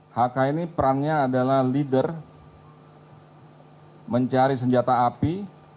hk ini perannya adalah leader mencari senjata api